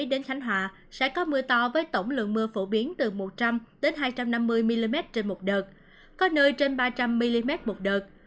đến khánh hòa sẽ có mưa to với tổng lượng mưa phổ biến từ một trăm linh hai trăm năm mươi mm trên một đợt có nơi trên ba trăm linh mm một đợt